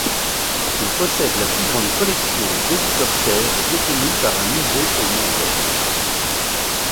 Il possède la plus grande collection d'hélicoptères détenue par un musée au monde.